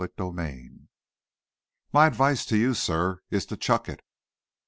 CHAPTER IV "My advice to you, sir, is to chuck it!"